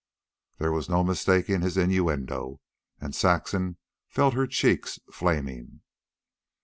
There was no mistaking his innuendo, and Saxon felt her cheeks flaming.